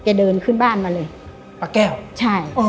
เดินขึ้นบ้านมาเลยป้าแก้วใช่อ๋อ